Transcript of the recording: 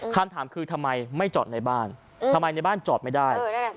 คำถามคือทำไมไม่จอดในบ้านทำไมในบ้านจอดไม่ได้